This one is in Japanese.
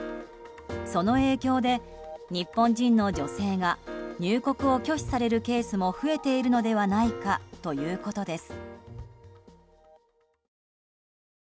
その影響で日本人の女性が入国を拒否されるケースも増えているのではないかということです。